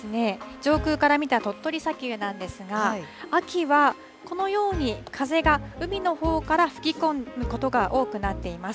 上空から見た鳥取砂丘なんですが秋はこのように風が海のほうから吹き込むことが多くなっています。